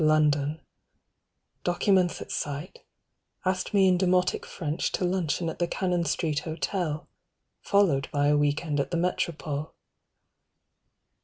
London: documents at sight, Asked me in demotic French To luncheon at the Cannon Street Hotel Followed by a weekend at the Metropole.